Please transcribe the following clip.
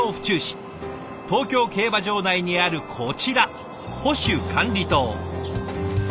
東京競馬場内にあるこちら保守管理棟。